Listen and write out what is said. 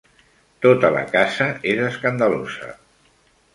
Tota la casa és escandalosa.